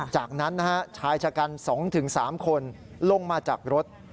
จากนั้นนะฮะชายชะกัน๒๓คนลงมาจากรถ